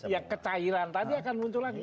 yang kecairan tadi akan muncul lagi